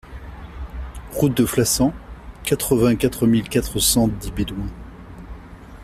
Route de Flassan, quatre-vingt-quatre mille quatre cent dix Bédoin